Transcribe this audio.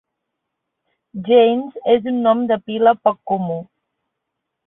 Janes es un nom de pila poc comú.